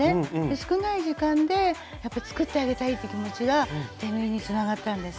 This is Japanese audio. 少ない時間でやっぱり作ってあげたいっていう気持ちが手縫いにつながったんです。